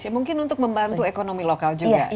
mungkin untuk membantu ekonomi lokal juga